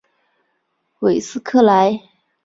韦斯克莱。